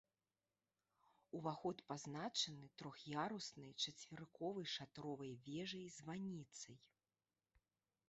Уваход пазначаны трох'яруснай чацверыковай шатровай вежай-званіцай.